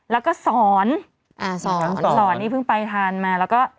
แล้วก็สอนอ่าสอนสอนนี่เพิ่งไปทานมาแล้วก็